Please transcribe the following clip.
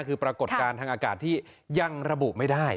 คือปรากฏการณ์ทางอากาศที่ยังระบุไม่ได้